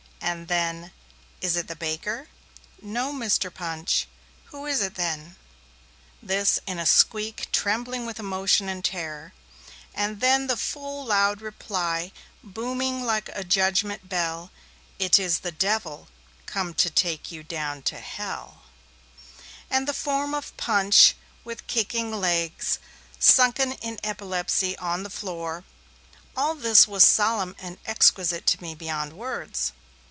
And then, 'Is it the baker?' 'No, Mr. Punch!' 'Who is it then?' (this in a squeak trembling with emotion and terror); and then the full, loud reply, booming like a judgement bell, 'It is the Devil come to take you down to Hell,' and the form of Punch, with kicking legs, sunken in epilepsy on the floor, all this was solemn and exquisite to me beyond words.